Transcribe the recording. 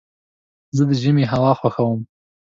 زه د ژمي هوا خوښوم.